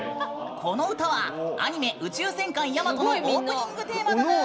この歌はアニメ「宇宙戦艦ヤマト」のオープニングテーマだぬーん！